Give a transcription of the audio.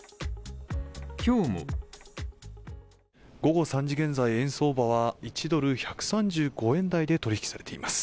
今日も午後３時現在円相場は１ドル＝１３５円台で取引されています。